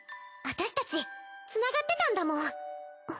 私たちつながってたんだもん。